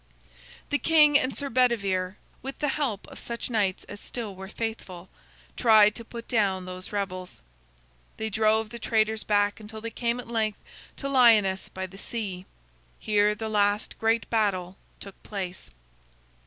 The king and Sir Bedivere, with the help of such knights as still were faithful, tried to put down those rebels. They drove the traitors back until they came at length to Lyonnesse by the sea. Here the last great battle took place.